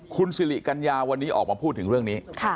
คุณสิริกัญญาวันนี้ออกมาพูดถึงเรื่องนี้